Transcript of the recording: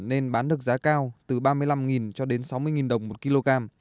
nên bán được giá cao từ ba mươi năm cho đến sáu mươi đồng một kg